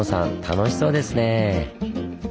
楽しそうですね！